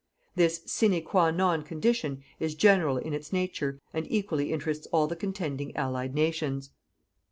This sine qua non condition is general in its nature and equally interests all the contending Allied nations.